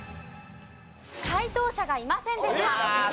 解答者がいませんでした。